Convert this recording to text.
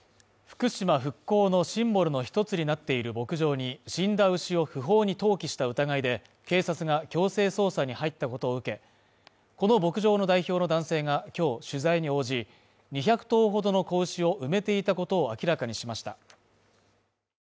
福島復興のシンボルの一つになっている牧場に死んだ牛を不法に投棄した疑いで警察が強制捜査に入ったことを受け、この牧場の代表の男性が今日取材に応じ、２００棟ほどの子牛を埋めていたことを明らかにしました。